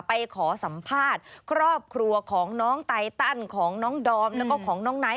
ไปขอสัมภาษณ์ครอบครัวของน้องไตตันของน้องดอมแล้วก็ของน้องไนท์